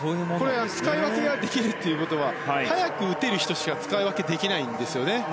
使い分けができるということは速く打てる人しか使い分けできないんです。